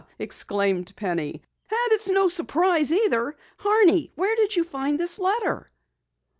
exclaimed Penny. "And it's no surprise either! Horney, where did you find this letter?"